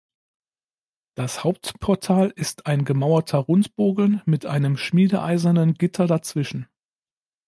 Das Hauptportal ist ein gemauerter Rundbogen mit einem schmiedeeisernen Gitter dazwischen.